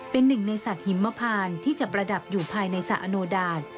เป็นหนึ่งในสัตว์หิมพานที่จะประดับอยู่ภายในสระอโนดาต